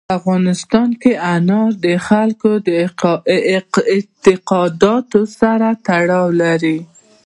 په افغانستان کې انار د خلکو د اعتقاداتو سره تړاو لري.